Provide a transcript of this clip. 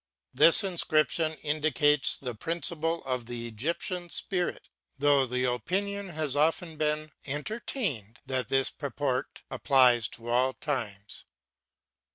^ This inscription indicates the principle of the. Egyptian Spirit; though the opinion has often been entertained, that its purport applies to all times.